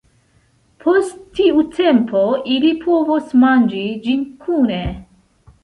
Post tiu tempo, ili povos manĝi ĝin kune.